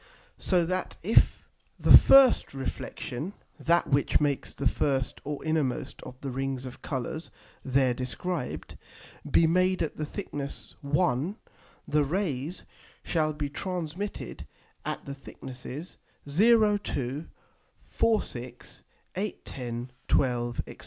so that if the first Reflexion (that which makes the first or innermost of the Rings of Colours there described) be made at the thickness 1, the Rays shall be transmitted at the thicknesses 0, 2, 4, 6, 8, 10, 12, &c.